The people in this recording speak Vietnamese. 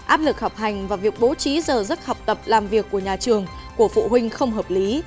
áp lực học hành và việc bố trí giờ giấc học tập làm việc của nhà trường của phụ huynh không hợp lý